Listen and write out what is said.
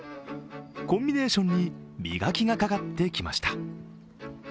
コンビネーションに磨きがかかってきました。